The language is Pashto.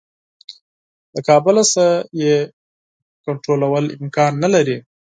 له کابل څخه یې کنټرولول امکان نه لري.